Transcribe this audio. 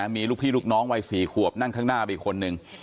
มีลูกพี่ลูกน้องวัย๔ขวบนั่งข้างหน้าไปคนหนึ่ง